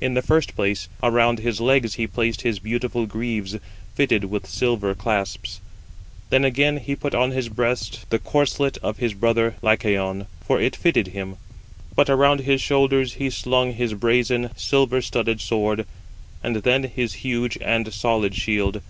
In the first place, around his legs he placed his beautiful greaves fitted with silver clasps; then again he put on his breast the corslet of his brother Lycaon, for it fitted him; but around his shoulders he slung his brazen, silver studded sword and then his huge and solid shield.